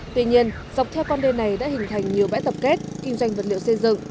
tuy nhiên dọc theo con đê này đã hình thành nhiều bãi tập kết kinh doanh vật liệu xây dựng